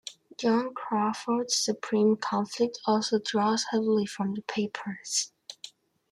Jan Crawford's "Supreme Conflict" also draws heavily from the papers.